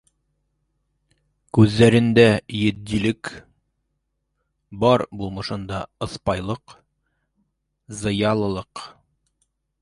Күҙҙәрендә етдилек, бар булмышында ыҫпайлыҡ, зыялылыҡ.